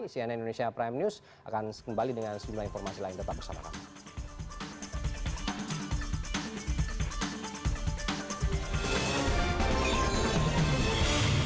cnn indonesia prime news akan kembali dengan sejumlah informasi lain tetap bersama kami